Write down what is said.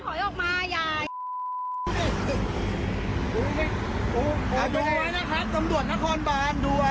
ถอยออกมาเดี๋ยวตำรวจมา